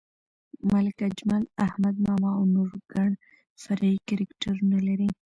ملک اجمل، احمد ماما او نور ګڼ فرعي کرکټرونه لري.